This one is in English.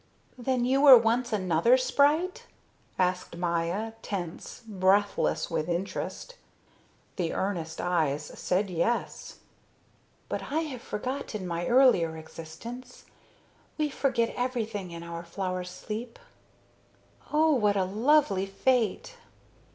"Then you were once another sprite?" asked Maya, tense, breathless with interest. The earnest eyes said yes. "But I have forgotten my earlier existence. We forget everything in our flower sleep." "Oh, what a lovely fate!"